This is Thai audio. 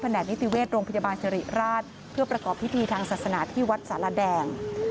แหกนิติเวชโรงพยาบาลสิริราชเพื่อประกอบพิธีทางศาสนาที่วัดสารแดง